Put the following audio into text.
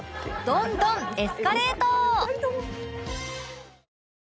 どんどんエスカレート！